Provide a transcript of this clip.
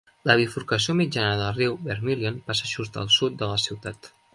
La bifurcació mitjana del riu Vermilion passa just al sud de la ciutat.